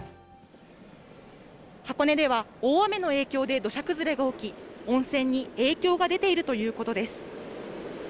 箱根では大雨の影響で土砂崩れが起き、温泉に影響が出ているということです。